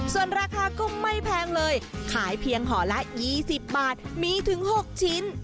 ส่วนราคาก็ไม่แพงเลยขายเพียงห่อละ๒๐บาทมีถึง๖ชิ้น